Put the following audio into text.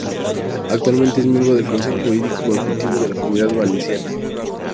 Actualmente es miembro del Consejo Jurídico Consultivo de la Comunidad Valenciana.